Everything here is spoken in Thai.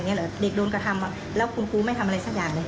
เหรอเด็กโดนกระทำแล้วคุณครูไม่ทำอะไรสักอย่างเลย